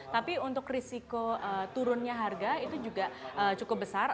tapi untuk risiko turunnya harga itu juga cukup besar